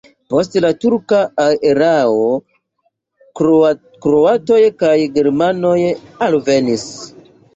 Post la turka erao kroatoj kaj germanoj alvenis.